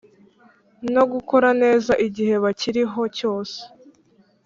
no gukora neza igihe bakiriho cyose